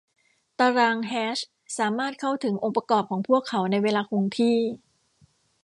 ตารางแฮชสามารถเข้าถึงองค์ประกอบของพวกเขาในเวลาคงที่